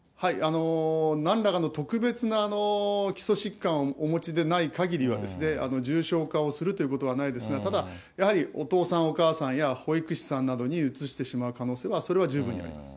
なんらかの特別な基礎疾患をお持ちでないかぎりはですね、重症化をするということはないですが、ただ、やはりお父さん、お母さんや、保育士さんなどにうつしてしまう可能性は、それは十分にあります。